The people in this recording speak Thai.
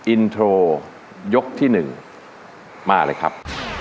อินโทรยกที่๑มาเลยครับ